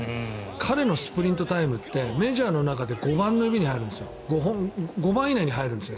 彼のスプリントタイムってメジャーの中で５番以内に入るんですよ。